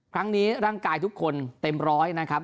ร่างกายทุกคนเต็มร้อยนะครับ